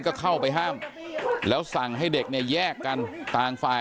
ก็เข้าไปห้ามแล้วสั่งให้เด็กเนี่ยแยกกันต่างฝ่าย